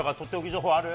情報ある？